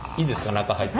中入って。